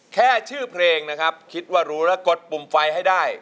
แค่ชื่อเพลงนะครับคิดว่ารู้แล้วกดปุ่มไฟให้ได้